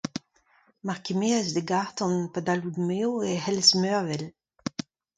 Mar kemerez da garr-tan padal out mezv, e c'halles mervel.